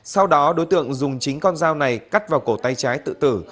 sau đó đối tượng dùng chính con dao này cắt vào cổ tay trái tự tử